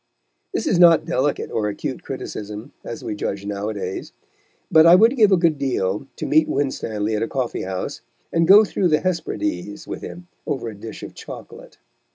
This is not delicate or acute criticism, as we judge nowadays; but I would give a good deal to meet Winstanley at a coffee house, and go through the Hesperides with him over a dish of chocolate.